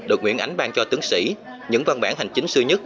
được nguyễn ánh ban cho tướng sĩ những văn bản hành chính xưa nhất